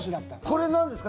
これ、なんですか？